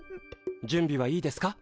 準備はいいですか？